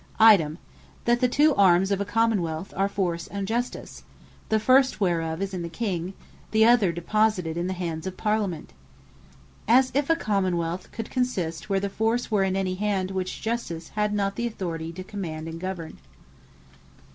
Item, that the two arms of a Common wealth, are Force, and Justice; The First Whereof Is In The King; The Other Deposited In The Hands Of The Parlament. As if a Common wealth could consist, where the Force were in any hand, which Justice had not the Authority to command and govern.